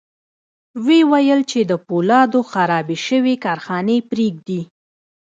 ويې ویل چې د پولادو خرابې شوې کارخانې پرېږدي